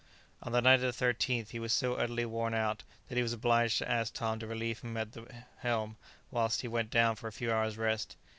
On the night of the 13th, he was so utterly worn out that he was obliged to ask Tom to relieve him at the helm whilst he went down for a few hours' rest.